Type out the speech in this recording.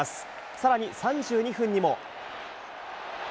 さらに３２分にも。